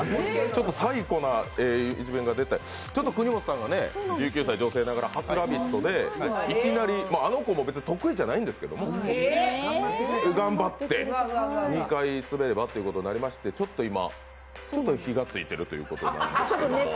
サイコな一面が出て、国本さんが、１９歳女性ながら初「ラヴィット！」でいきなり、あの子も別に得意じゃないんですけど、頑張って２回滑ればということになりましてちょっと火がついているということです。